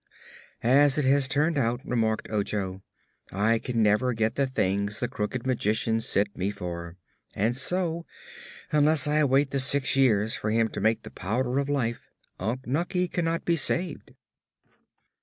"As it has turned out," remarked Ojo, "I can never get the things the Crooked Magician sent me for; and so, unless I wait the six years for him to make the Powder of Life, Unc Nunkie cannot be saved."